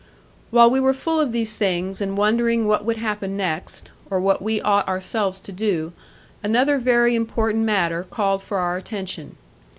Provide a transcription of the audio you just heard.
While we were full of all these things, and wondering what would happen next, or what we ought ourselves to do, another very important matter called for our attention.